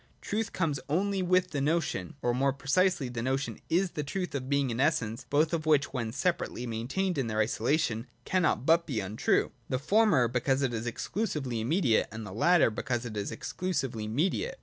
Truth comes only with the notion : or, more precisely, the notion is the truth of being and essence, both of which, when separately maintained in their isolation, cannot but be untrue, the former because it is exclusively immediate, and the latter because it is exclusively mediate.